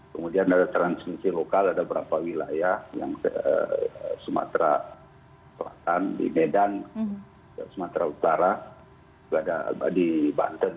kemudian ada transmisi lokal ada berapa wilayah yang sumatera selatan di medan sumatera utara di banten